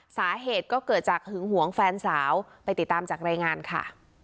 สาเหตุก็เกิดจากหึงหวงแฟนสาวไปติดตามจากรายงานค่ะ